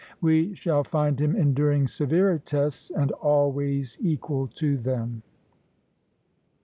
We shall find him enduring severer tests, and always equal to them.